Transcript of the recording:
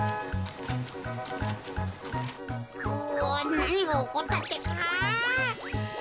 うわなにがおこったってか。